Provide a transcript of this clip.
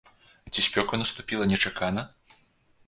Ці спёка наступіла нечакана?